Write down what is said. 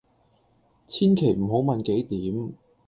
千祈唔好問幾點